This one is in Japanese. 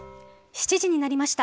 ７時になりました。